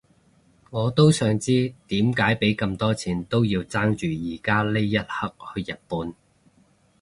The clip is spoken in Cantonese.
我都想知點解畀咁多錢都要爭住而家呢一刻去日本